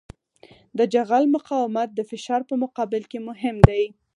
د جغل مقاومت د فشار په مقابل کې مهم دی